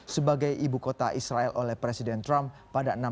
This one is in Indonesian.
sebagai penyakit yang terjadi di yerusalem